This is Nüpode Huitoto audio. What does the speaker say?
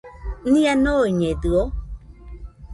Nia noiñedɨo?